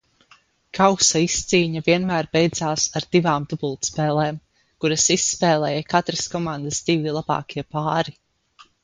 Kausa izcīņa vienmēr beidzās ar divām dubultspēlēm, kuras izspēlēja katras komandas divi labākie pāri.